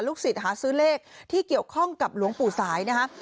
ศิษย์หาซื้อเลขที่เกี่ยวข้องกับหลวงปู่สายนะคะ